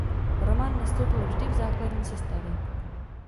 Roman nastoupil vždy v základní sestavě.